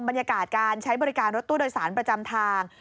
บรรยากาศการใช้บริการรถตู้โดยสารประจำทาง